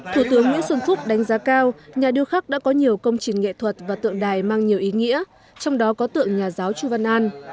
thủ tướng nguyễn xuân phúc đánh giá cao nhà điêu khắc đã có nhiều công trình nghệ thuật và tượng đài mang nhiều ý nghĩa trong đó có tượng nhà giáo chu văn an